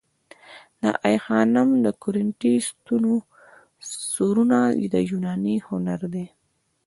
د آی خانم د کورینتی ستونو سرونه د یوناني هنر دي